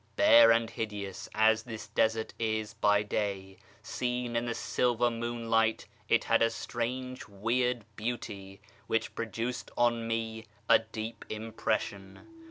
Bare and hideous as this desert is by day, seen in the silver moonlight it had a strange weird beauty, which produced on me a deep impression.